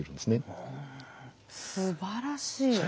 すばらしい。